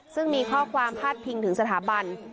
ซึ่งมีข้อความพาดพิงถึงสถาบัน